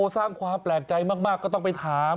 สร้างความแปลกใจมากก็ต้องไปถาม